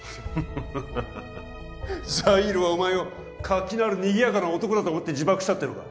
ハハハハハザイールはお前を活気のあるにぎやかな男だと思って自爆したっていうのか？